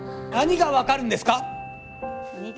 何が分かるんですか！